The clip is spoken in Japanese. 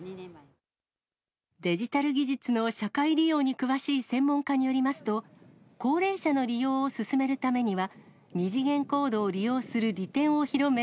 デジタル技術の社会利用に詳しい専門家によりますと、高齢者の利用を進めるためには、二次元コードを利用する利点を広め、